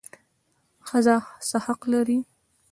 ښځه څه حق لري؟